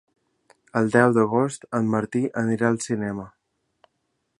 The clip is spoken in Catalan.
El deu d'agost en Martí anirà al cinema.